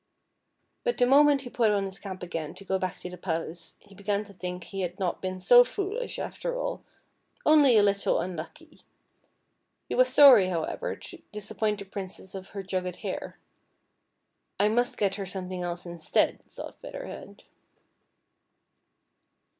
But the moment he put on his cap again to go back to the palace, he began to think he had not been so foolish after all, only a little unlucky. He was sorry, however, to disappoint the Princess of her jugged hare, " I must get her something else instead," thought Feather Head.